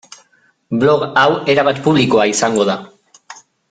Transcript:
Blog hau erabat publikoa izango da.